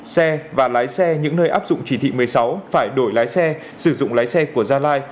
xe và lái xe những nơi áp dụng chỉ thị một mươi sáu phải đổi lái xe sử dụng lái xe của gia lai